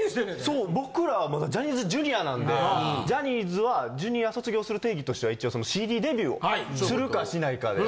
そう僕らまだジャニーズＪｒ．なんでジャニーズはＪｒ．卒業する定義としては一応そのＣＤデビューをするかしないかで。